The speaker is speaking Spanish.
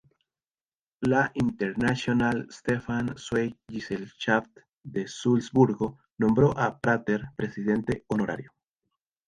La Internationale-Stefan-Zweig-Gesellschaft de Salzburgo nombró a Prater Presidente Honorario.